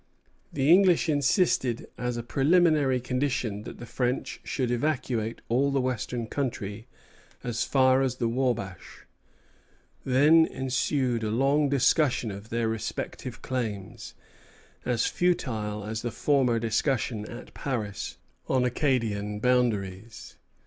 The English insisted as a preliminary condition that the French should evacuate all the western country as far as the Wabash. Then ensued a long discussion of their respective claims, as futile as the former discussion at Paris on Acadian boundaries.